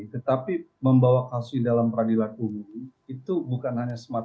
tetapi membawa hal ini dalam peradilan umum itu bukan hanya semata mata persoalan katus ini semata